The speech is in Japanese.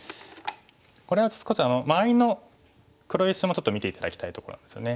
これは少し周りの黒石もちょっと見て頂きたいところなんですよね。